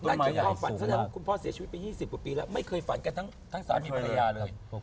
ซะนั้นคุณพ่อเสียชีวิตไปสี่สิบกว่าปีแล้ว